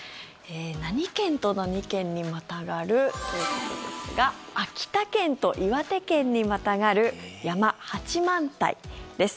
何県と何県にまたがるということですが秋田県と岩手県にまたがる山八幡平です。